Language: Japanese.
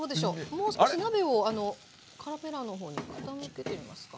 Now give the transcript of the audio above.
もう少し鍋をカメラの方に傾けてみますか？